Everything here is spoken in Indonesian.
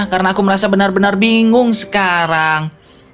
karena aku merasa benar benar bingung sekarang